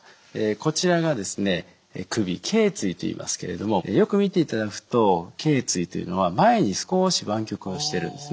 こちらが首けい椎といいますけどよく見ていただくとけい椎というのは前に少し湾曲をしてるんですね。